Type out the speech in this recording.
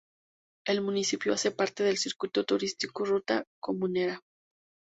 El municipio hace parte del circuito turístico Ruta Comunera.